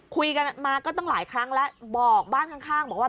คุยกันมาก็ตั้งหลายครั้งแล้วบอกบ้านข้างบอกว่า